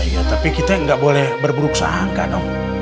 ya tapi kita gak boleh berburuk sangka dong